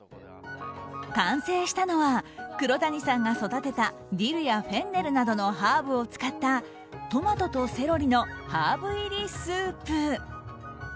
完成したのは黒谷さんが育てたディルやフェンネルなどのハーブを使ったトマトとセロリのハーブ入りスープ。